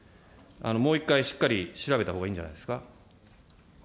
もう一回、しっかり調べたほうがいいんじゃないですか。